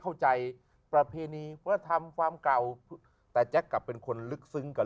เข้าใจประเพณีฤษฐามน์ความเก่าแต่แจ๊คกับเป็นคนลึกซึ้งกับ